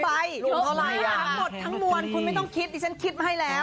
ทั้งหมดทั้งมวลคุณไม่ต้องคิดดิฉันคิดมาให้แล้ว